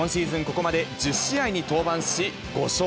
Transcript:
ここまで、１０試合に登板し、５勝。